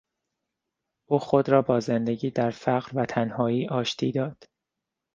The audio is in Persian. او خود را با زندگی در فقر و تنهایی آشتی داد.